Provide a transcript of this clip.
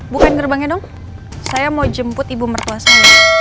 bukan gerbangnya dong saya mau jemput ibu mertua saya